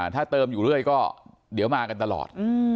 ถ้าเติมอยู่เรื่อยก็เดี๋ยวมากันตลอด